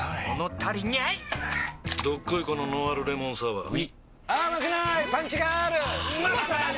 どっこいこのノンアルレモンサワーうぃまさに！